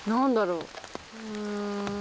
うん。